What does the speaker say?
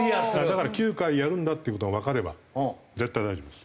だから９回やるんだっていう事がわかれば絶対大丈夫です。